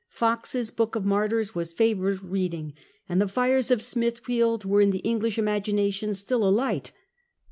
Foxe*s Book of Martyrs was favourite reading, and the fires of Smithfield were in the English imagination still alight.